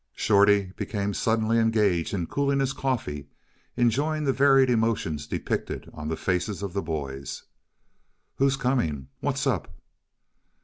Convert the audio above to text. Shorty became suddenly engaged in cooling his coffee, enjoying the varied emotions depicted on the faces of the boys. "Who's coming?" "What's up?"